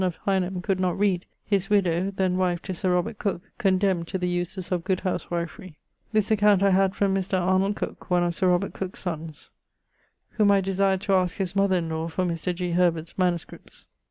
] of Hineham could not read, his widowe (then wife to Sir Robert Cooke) condemned to the uses of good houswifry. [LXXXIII.] This account I had from Mr. Arnold Cooke, one of Sir Robert Cooke's sonnes, whom I desired to aske his mother in lawe for Mr. G. Herbert's MSS.